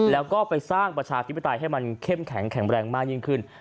แล้วก็ไปสร้างประชาธิปไตยให้มันเข้มแข็งแข็งแรงมากยิ่งขึ้น